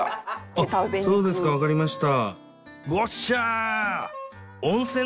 あっそうですか。わかりました。